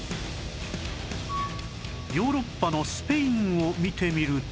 ヨーロッパのスペインを見てみると